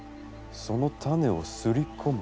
その種をすり込む。